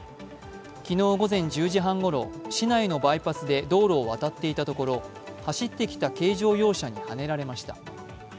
昨日午前１０時半ごろ市内のバイパスで道路を渡っていたところ走ってきた軽乗用車にはねられました。